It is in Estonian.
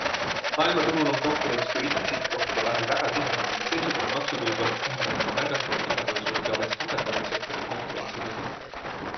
Maailmaturul on konkurents turismisihtkohtade vahel väga tihe ning seesugune maksutõus oleks tähendanud ka märgatavat hinnatõusu ja oleks halvendanud sektori konkurentsivõimet.